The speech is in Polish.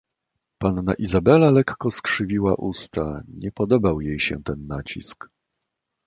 "Panna Izabela lekko skrzywiła usta; nie podobał jej się ten nacisk."